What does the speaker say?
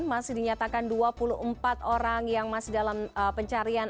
masih dinyatakan dua puluh empat orang yang masih dalam pencarian